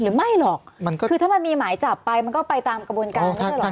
หรือไม่หรอกคือถ้ามันมีหมายจับไปมันก็ไปตามกระบวนการไม่ใช่หรอก